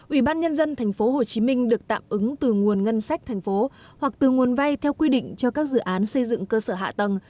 ubnd tp hcm được tạm ứng từ nguồn ngân sách thành phố hoặc từ nguồn vay theo quy định cho các dự án xây dựng cơ sở hạ tầng